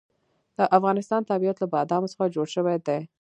د افغانستان طبیعت له بادامو څخه جوړ شوی دی.